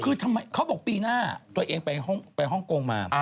คือทำไมเขาบอกปีหน้าตัวเองไปฮ่องกงมา